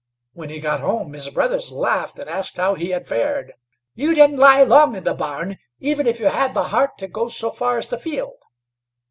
When he got home, his brothers laughed and asked how he had fared? "You didn't lie long in the barn, even if you had the heart to go so far as the field."